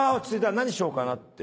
何しようかなっていう」